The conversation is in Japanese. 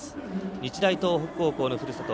日大東北高校のふるさと